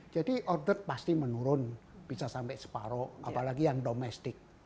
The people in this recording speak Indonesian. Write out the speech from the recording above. jadi order pasti menurun bisa sampai separoh apalagi yang domestik